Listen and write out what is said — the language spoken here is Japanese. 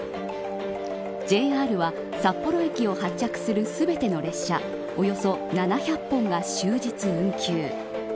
ＪＲは札幌駅を発着する全ての列車、およそ７００本が終日運休。